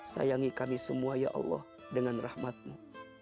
sayangi kami semua ya allah dengan rahmatmu